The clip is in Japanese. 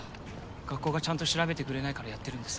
学校がちゃんと調べてくれないからやってるんです。